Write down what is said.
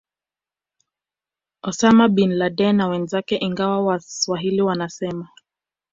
Osama Bin Laden na wenzake ingawa waswahili wanasema